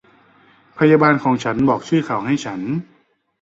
พยาบาลของฉันบอกชื่อเขาให้ฉัน